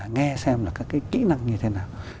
nghe xem là các cái kỹ năng như thế nào